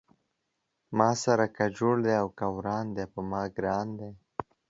ما سره که جوړ دی او که وران دی پۀ ما ګران دی